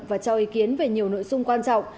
và cho ý kiến về nhiều nội dung quan trọng